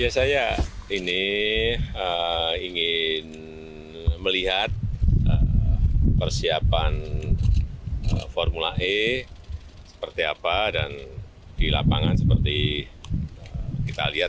saya ini ingin melihat persiapan formula e seperti apa dan di lapangan seperti kita lihat